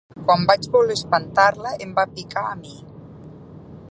Quan vaig voler espantar-la em va picar a mi.